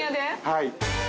はい。